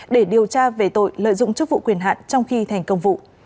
để điều tra về tội lợi dụng chức vụ quyền hạn trong khi thành công vụ